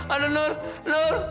aduh nur nur